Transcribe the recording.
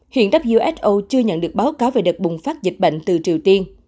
hiện who chưa nhận được báo cáo về đợt bùng phát dịch bệnh từ triều tiên